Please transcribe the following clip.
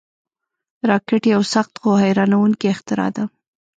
راکټ یو سخت، خو حیرانوونکی اختراع ده